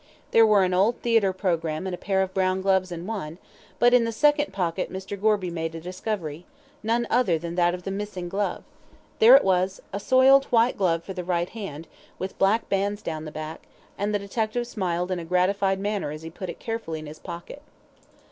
There were an old theatre programme and a pair of brown gloves in one, but in the second pocket Mr. Gorby made a discovery none other than that of the missing glove. There it was a soiled white glove for the right hand, with black bands down the back; and the detective smiled in a gratified manner as he put it carefully in his pocket.